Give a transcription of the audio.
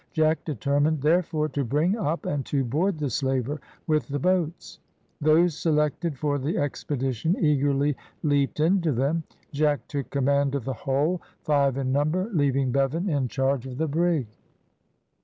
Jack determined, therefore, to bring up, and to board the slaver with the boats. Those selected for the expedition eagerly leaped into them. Jack took command of the whole, five in number, leaving Bevan in charge of the brig.